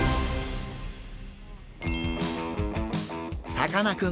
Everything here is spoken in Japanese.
さかなクン